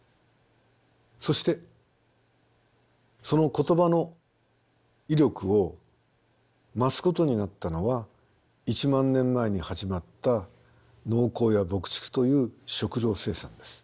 そしてその言葉の威力を増すことになったのは１万年前に始まった農耕や牧畜という食料生産です。